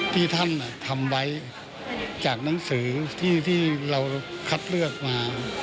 ที่ท่านทำไว้จากหนังสือที่เราคัดเลือกมา